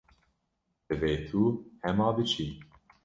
Divê tu hema biçî.